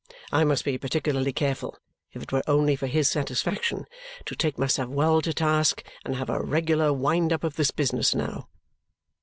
I must be particularly careful, if it were only for his satisfaction, to take myself well to task and have a regular wind up of this business now."